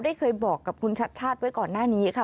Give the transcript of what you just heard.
เคยบอกกับคุณชัดชาติไว้ก่อนหน้านี้ค่ะ